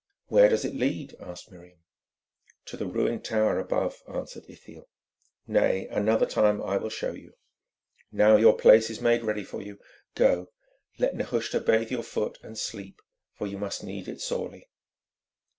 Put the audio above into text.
"Where does it lead?" asked Miriam. "To the ruined tower above," answered Ithiel. "Nay, another time I will show you. Now your place is made ready for you, go, let Nehushta bathe your foot, and sleep, for you must need it sorely."